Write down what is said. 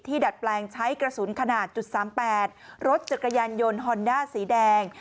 ดัดแปลงใช้กระสุนขนาด๓๘รถจักรยานยนต์ฮอนด้าสีแดง